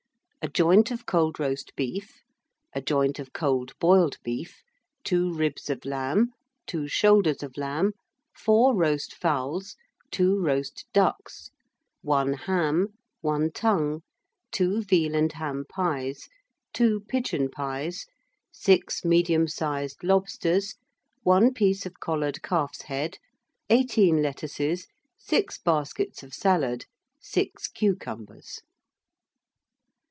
A joint of cold roast beef, a joint of cold boiled beef, 2 ribs of lamb, 2 shoulders of lamb, 4 roast fowls, 2 roast ducks, 1 ham, 1 tongue, 2 veal and ham pies, 2 pigeon pies, 6 medium sized lobsters, 1 piece of collared calf's head, 18 lettuces, 6 baskets of salad, 6 cucumbers.